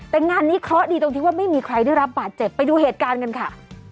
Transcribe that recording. แต่งานนี้เคราะห์ดีตรงที่ว่าไม่มีใครได้รับบาดเจ็บไปดูเหตุการณ์กันค่ะ